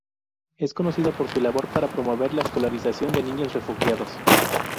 Es conocida por su labor para promover la escolarización de niños refugiados.